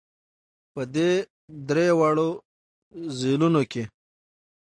په دې درېواړو ځېلونو کې